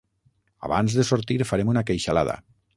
Abans de sortir, farem una queixalada.